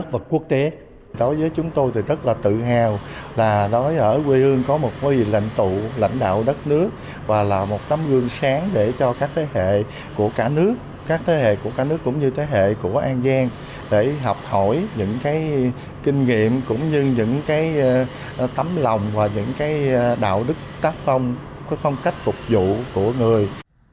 bác tôn là một tấm gương sáng để cho các thế hệ của cả nước các thế hệ của cả nước cũng như thế hệ của an giang để học hỏi những kinh nghiệm cũng như những tấm lòng và những đạo đức tác phong phong cách phục vụ của người